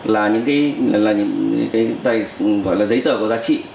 là những cái giấy tờ có giá trị